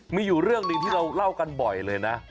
มีอยู่เรื่องหนึ่งที่เราเล่ากันบ่อยเลยนะ